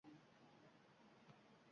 “Nega hech kim qaramadi!” – deb yubordi